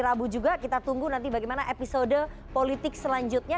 rabu juga kita tunggu nanti bagaimana episode politik selanjutnya